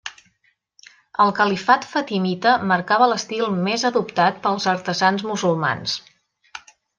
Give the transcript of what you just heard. El califat fatimita marcava l'estil més adoptat pels artesans musulmans.